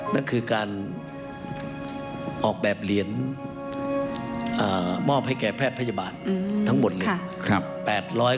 นั่นคือการออกแบบเหรียญมอบให้แก่แพทย์พยาบาลทั้งหมดเลย